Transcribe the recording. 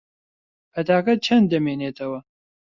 پەتاکە چەند دەمێنێتەوە؟